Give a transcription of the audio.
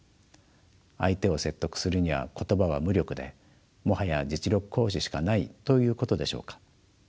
相手を説得するには言葉は無力でもはや実力行使しかないということでしょうか。